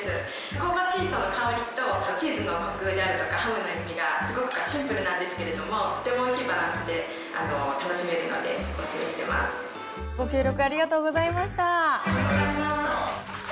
香ばしい香りとチーズのこくであるとか、ハムの塩味がすごくシンプルなんですけど、とてもおいしいバランスで楽しめるので、ご協力ありがとうございましありがとうございます。